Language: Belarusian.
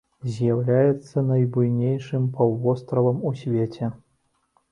З'яўляецца найбуйнейшым паўвостравам у свеце.